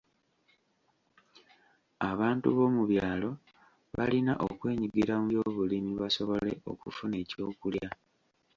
Abantu b'omu byalo balina okwenyigira mu byobulimi basobole okufuna ekyokulya.